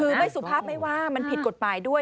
คือไม่สุภาพไม่ว่ามันผิดกฎหมายด้วย